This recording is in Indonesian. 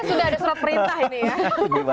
sudah ada surat perintah ini ya